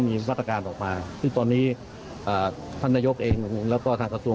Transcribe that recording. มีมาตรการออกมาซึ่งตอนนี้ท่านนายกเองแล้วก็ทางกระทรวง